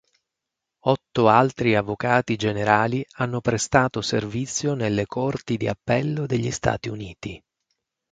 Otto altri Avvocati generali hanno prestato servizio nelle Corti di Appello degli Stati Uniti.